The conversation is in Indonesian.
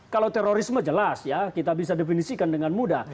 kalau terorisme jelas ya kita bisa definisikan dengan mudah